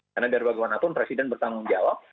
karena dari bagaimana pun presiden bertanggung jawab